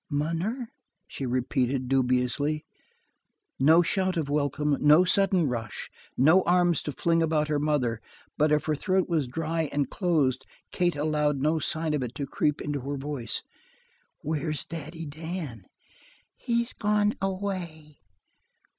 "Munner?" she repeated dubiously. No shout of welcome, no sudden rush, no arms to fling about her mother. But if her throat was dry and closed Kate allowed no sign of it to creep into her voice. "Where's Daddy Dan?" "He's gone away."